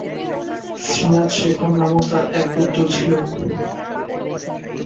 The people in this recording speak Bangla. শ্রীনাথ শেখর নামক তাঁর এক পুত্র ছিল।